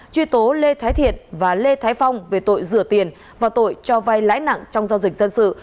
truy tố lê thái thiện và lê thái phong về tội rửa tiền và tội cho vai lãi nặng trong giao dịch dân sự